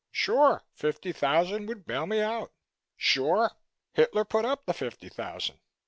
Sure fifty thousand would bail me out. Sure Hitler put up the fifty thousand.